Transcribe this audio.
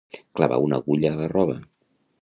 Clavar una agulla a la roba.